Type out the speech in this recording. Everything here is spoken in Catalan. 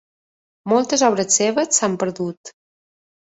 Moltes obres seves s'han perdut.